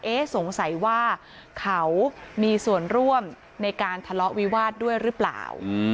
สงสัยว่าเขามีส่วนร่วมในการทะเลาะวิวาสด้วยหรือเปล่า